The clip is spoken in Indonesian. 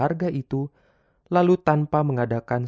mereka tidak berharga itu lalu tanpa mengadakan